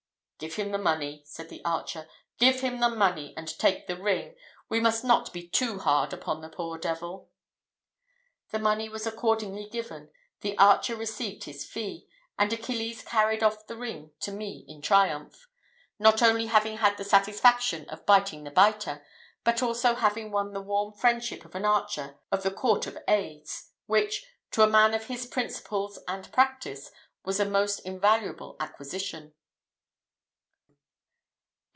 "Give him the money," said the archer, "give him the money, and take the ring, we must not be too hard upon the poor devil." The money was accordingly given, the archer received his fee, and Achilles carried off the ring to me in triumph; not only having had the satisfaction of biting the biter, but also having won the warm friendship of an archer of the Court of Aides, which, to a man of his principles and practice, was a most invaluable acquisition.